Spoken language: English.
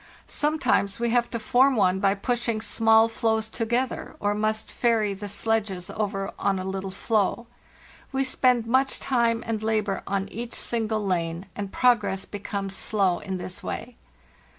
Sometimes we have to form one by pushing small floes together, or must ferry the sledges over on a little floe.. We spend much time and labor on each single lane, and progress becomes slow in this way.